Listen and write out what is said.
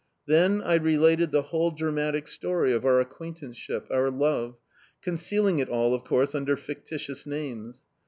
Then I related the whole dramatic story of our acquaintanceship, our love concealing it all, of course, under fictitious names.